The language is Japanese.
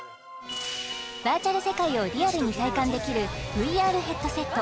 バーチャル世界をリアルに体感できるＶＲヘッドセット